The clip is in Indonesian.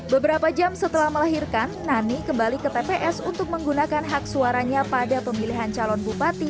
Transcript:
beberapa jam setelah melahirkan nani kembali ke tps untuk menggunakan hak suaranya pada pemilihan calon bupati